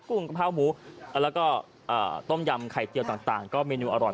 กุ้งกะเพราหมูแล้วก็ต้มยำไข่เจียวต่างก็เมนูอร่อย